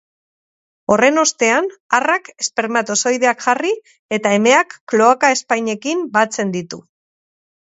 Horren ostean, arrak espermatozoideak jarri eta emeak kloaka-ezpainekin batzen ditu.